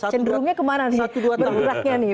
cenderungnya kemana nih